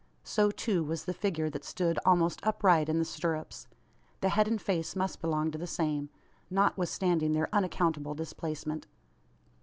So, too, was the figure that stood almost upright in the stirrups. The head and face must belong to the same notwithstanding their unaccountable displacement.